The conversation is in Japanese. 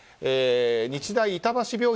日大板橋病院